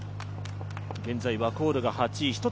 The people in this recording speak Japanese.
現在ワコールが８位、１つ